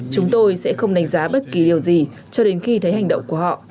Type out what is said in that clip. chúng tôi sẽ không đánh giá bất kỳ điều gì cho đến khi thấy hành động của họ